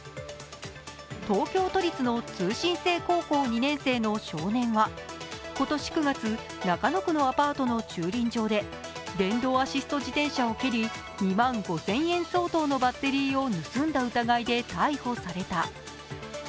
東京都立の通信制高校２年生の少年は、今年９月中野区のアパートの駐輪場で電動アシスト自転車を蹴り２万５０００円相当のバッテリーを盗んだ疑いで逮捕された。